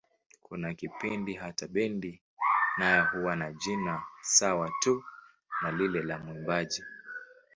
Kuna kipindi hata bendi nayo huwa na jina sawa tu na lile la mwimbaji.